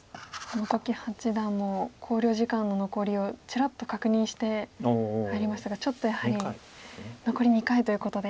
本木八段も考慮時間の残りをちらっと確認して入りましたがちょっとやはり残り２回ということで。